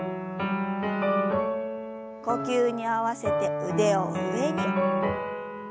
呼吸に合わせて腕を上に。